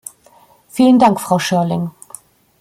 Vielen Dank, Frau Schörling.